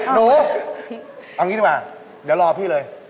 หนูเอางี้ดีกว่าเดี๋ยวรอพี่เลย